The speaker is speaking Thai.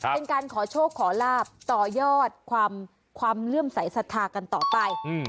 เป็นการขอโชคขอลาบต่อยอดความเลื่อมใสสัทธากันต่อไป